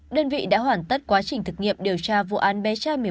đơn vị đã hoàn tất quá trình thực nghiệm điều tra vụ án bé trai một mươi một